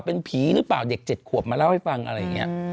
เป็นผีหรือเปล่าเด็ก๗ขวบมาเล่าให้ฟังอะไรอย่างนี้